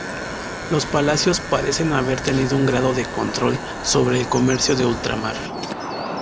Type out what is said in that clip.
Los palacios parecen haber tenido un grado de control sobre el comercio de ultramar.